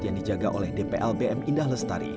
yang dijaga oleh dplbm indah lestari